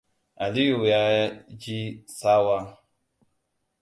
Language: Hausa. Aliyu ya ji tsawa.